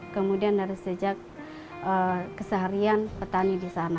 kemudian dari sejak keseharian petani disana